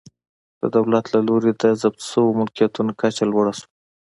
د دولت له لوري د ضبط شویو ملکیتونو کچه لوړه شوه